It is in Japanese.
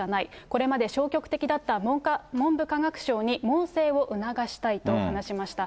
これまで消極的だった文部科学省に猛省を促したいと話しました。